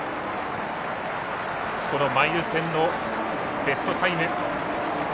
マイル戦のベストタイム。